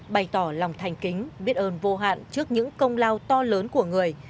bày tỏ lòng thành kính biết ơn vô hạn trước những công lao to lớn của người